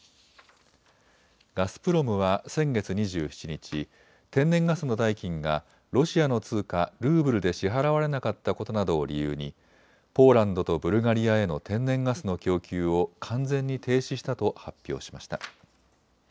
ガスプロムは先月２７日天然ガスの代金がロシアの通貨ルーブルで支払われなかったことなどを理由にポーランドとブルガリアへの天然ガスの供給を完全に停止したと発表しました。